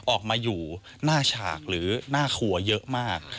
ออกมาอยู่หน้าฉากหรือหน้าครัวเยอะมาก